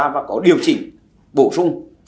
và có điều chỉnh bổ sung